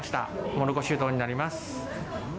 もろこしうどんになります。